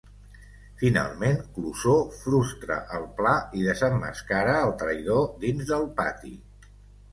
Finalment, Clouseau frustra el pla i desemmascara el traïdor dins del pati.